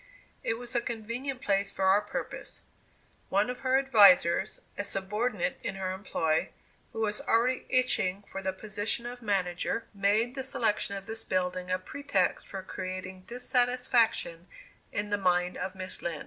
It was a convenient place for our purpose. One of her "advisers," a subordinate in her employ, who was already itching for the position of manager, made the selection of this building a pretext for creating dissatisfaction in the mind of Miss Lind.